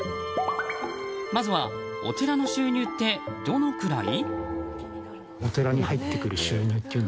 まずは、お寺の収入ってどのくらい？